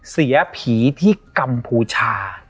เสียผีที่กัมพูชา